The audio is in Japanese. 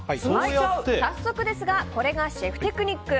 早速ですがこれがシェフテクニック！